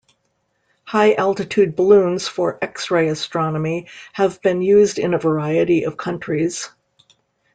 High-altitude balloons for X-ray astronomy have been used in a variety of countries.